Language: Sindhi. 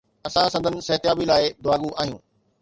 اسان سندن صحتيابي لاءِ دعاگو آهيون.